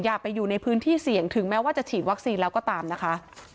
อย่าไปอยู่ในพื้นที่เสี่ยงถึงแม้ว่าจะฉีดวัคซีนแล้วก็ตามนะคะ